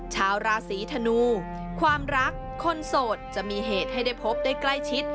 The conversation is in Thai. ชาวราศีธนูความรักคนโสดจะมีเหตุให้ได้พบได้ใกล้ชิด